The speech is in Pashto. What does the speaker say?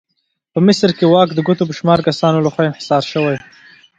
په مصر کې واک د ګوتو په شمار کسانو لخوا انحصار شوی.